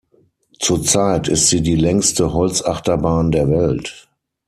Zurzeit ist sie die längste Holzachterbahn der Welt.